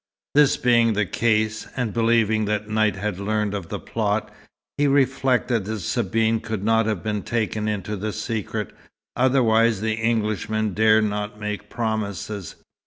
This being the case (and believing that Knight had learned of the plot), he reflected that Sabine could not have been taken into the secret, otherwise the Englishman dare not make promises.